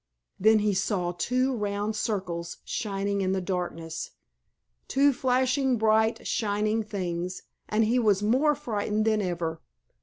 Then he saw two round circles shining in the darkness, two flashing, bright, shining things, and he was more frightened than ever.